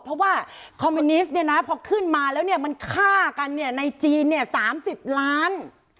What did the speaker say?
เพราะว่าคอมมูนิสต์เนี่ยพอขึ้นมาแล้วมันฆ่ากันในจีนเนี่ย๓๐ล้าน